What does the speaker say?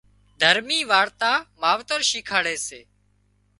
دهرمي وارتا ماوتر شيکاڙي سي